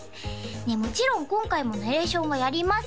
もちろん今回もナレーションはやります